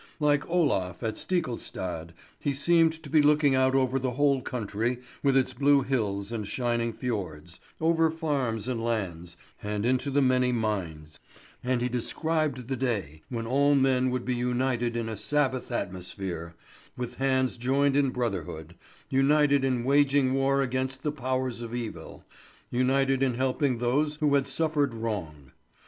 Like Olaf at Stiklestad, he seemed to be looking out over the whole country with its blue hills and shining fjords, over farms and lands, and into the many minds; and he descried the day when all men would be united in a sabbath atmosphere, with hands joined in brotherhood, united in waging war against the powers of evil, united in helping those who had suffered wrong.